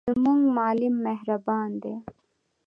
زموږ معلم مهربان دی.